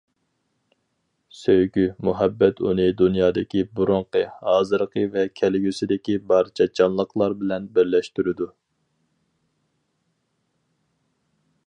سۆيگۈ- مۇھەببەت ئۇنى دۇنيادىكى بۇرۇنقى، ھازىرقى ۋە كەلگۈسىدىكى بارچە جانلىقلار بىلەن بىرلەشتۈرىدۇ،.